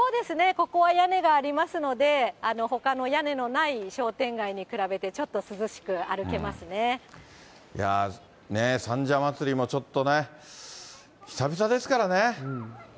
ここは屋根がありますので、ほかの屋根のない商店街に比べて、ち三社祭も、ちょっとね、久々ですからね。